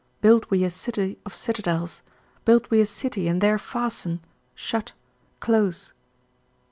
Build we a city of citadels. Build we a city and there fasten shut close.'